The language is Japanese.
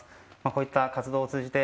こういった活動を通じて